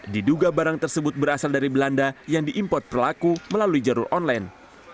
diduga barang tersebut berasal dari belanda yang diimport pelaku melalui jalur online